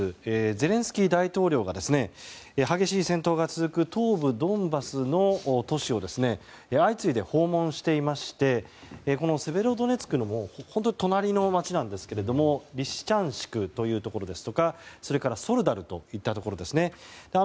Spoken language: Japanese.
ゼレンスキー大統領が激しい戦闘が続く東部ドンバスの都市を相次いで訪問していましてセベロドネツクの隣の街ですがリシチャンシクというところやソルダルというところですね。